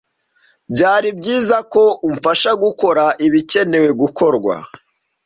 Byari byiza ko ufasha gukora ibikenewe gukorwa.